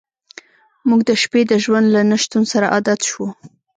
موږ د شپې د ژوند له نشتون سره عادت شو